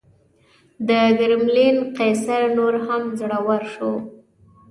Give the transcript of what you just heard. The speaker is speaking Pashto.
د کرملین قیصر نور هم زړور شو.